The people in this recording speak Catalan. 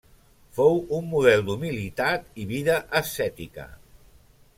Fou un model d'humilitat i vida ascètica.